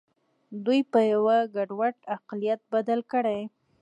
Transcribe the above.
دوی په یوه ګډوډ اقلیت بدل کړي.